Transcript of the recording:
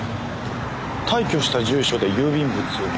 退去した住所で郵便物を。